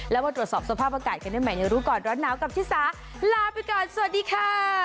แล้วมาตรวจสอบสภาพอากาศกันได้ใหม่ในรู้ก่อนร้อนหนาวกับชิสาลาไปก่อนสวัสดีค่ะ